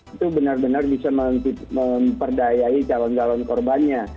itu benar benar bisa memperdayai calon calon korbannya